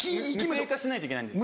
無声化しないといけないんです。